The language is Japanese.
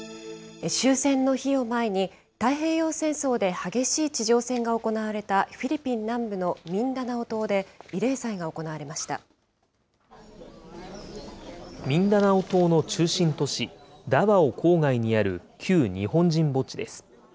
終戦の日を前に、太平洋戦争で激しい地上戦が行われたフィリピン南部のミンダナオミンダナオ島の中心都市、ダバオ郊外にある旧日本人墓地です。